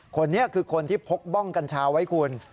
คนนี้คือคนที่พกบ้องกัญชาไว้คุณ